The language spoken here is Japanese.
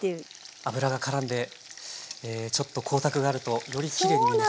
油がからんでちょっと光沢があるとよりきれいに見えますね。